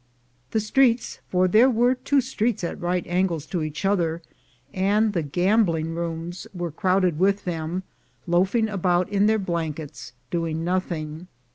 The streets — for there were two streets at right angles to each other — and the gambling rooms were crowded with them, loafing about in their blankets doing nothing.